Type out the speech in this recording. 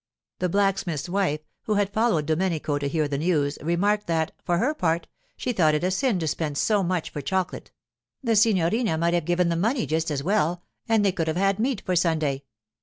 The blacksmith's wife, who had followed Domenico to hear the news, remarked that, for her part, she thought it a sin to spend so much for chocolate; the signorina might have given the money just as well, and they could have had meat for Sunday.